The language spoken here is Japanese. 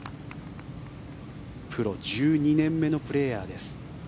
プロ１２年目のプレーヤーです。